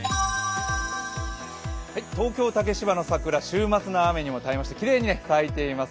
東京・竹芝の桜、週末の雨にも耐えてきれいに咲いています。